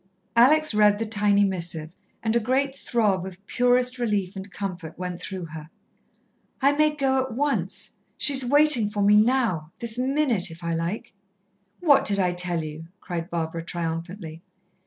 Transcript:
Alex read the tiny missive, and a great throb of purest relief and comfort went through her. "I may go at once. She is waiting for me now, this minute, if I like." "What did I tell you?" cried Barbara triumphantly.